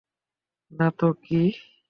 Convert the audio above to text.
না তো কী?